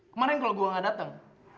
kemarin kalo gua gak dateng